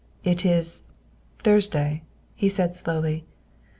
" It is Thursday," he said slowly.